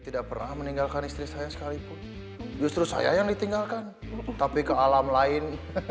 tidak pernah meninggalkan istri saya sekalipun justru saya yang ditinggalkan tapi ke alam lain